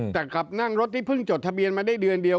แต่กลับนั่งรถที่เพิ่งจดทะเบียนมาได้เดือนเดียว